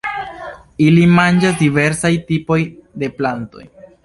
Ili manĝas diversaj tipoj de plantoj.